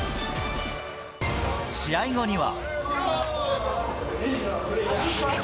試合後には。